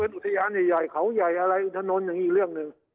อุทยานใหญ่เขาใหญ่อะไรอินถนนอย่างนี้อีกเรื่องหนึ่ง